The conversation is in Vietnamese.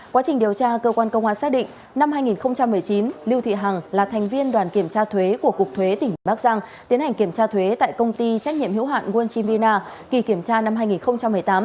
quá trình điều tra cơ quan công an xác định năm hai nghìn một mươi chín lưu thị hằng là thành viên đoàn kiểm tra thuế của cục thuế tỉnh bắc giang tiến hành kiểm tra thuế tại công ty trách nhiệm hữu hạn walchivina kỳ kiểm tra năm hai nghìn một mươi tám